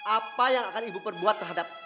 apa yang akan ibu perbuat terhadap